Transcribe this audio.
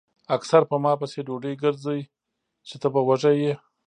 اکثر پۀ ما پسې ډوډۍ ګرځئ چې تۀ به وږے ئې ـ